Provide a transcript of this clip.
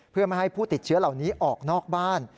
เพื่อไม่ให้ผู้ติดเชื้อเหล่านี้ออกนอกบ้าน